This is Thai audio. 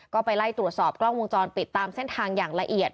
ก็ไปไล่ตรวจสอบกล้องวงจรปิดตามเส้นทางอย่างละเอียด